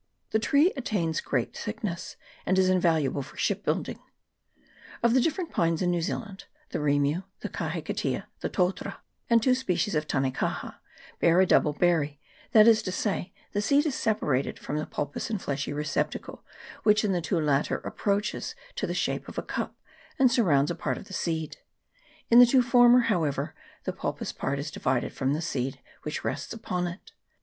The tree attains great thickness, and is invaluable for ship building. Of the different pines in New Zealand, the rimu, the kahikatea, the totara, and two species of tane kaha, bear a double berry, that is to say, the seed is separated from the pulpous and fleshy receptacle, which in the two latter approaches to the shape of a cup, and surrounds a part of the seed ; in the two former, however, the pulpous part is divided from the seed, which rests upon it.